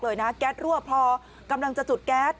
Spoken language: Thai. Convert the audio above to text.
จากกินต้น๑๙๕๔